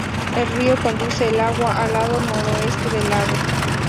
El río conduce el agua al lado noreste del lago.